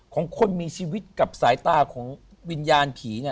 ของคนมีชีวิตกับสายตาของวิญญาณผีไง